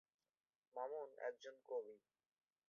মামুন একজন কবি।